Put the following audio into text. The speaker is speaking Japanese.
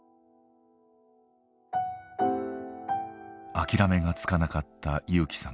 諦めがつかなかった裕樹さん。